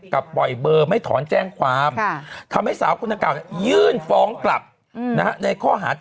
ทำให้สาวทักษะเรื่องยื่นฟ้องกลับในข้อหาด